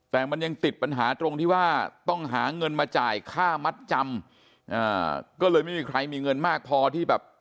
แต่มันยังติดปัญหาตรงที่ว่าต้องหาเงินมาจ่ายค่ามัดจำอ่าก็เลยไม่มีใครมีเงินมากพอที่แบบ